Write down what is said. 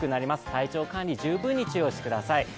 体調管理、十分に注意してください。